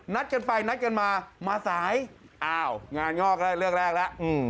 นัดกันไปนัดกันมามาสายอ้าวงานงอกแล้วเรื่องแรกแล้ว